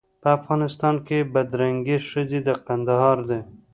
په افغانستان کې بدرنګې ښځې د کندهار دي.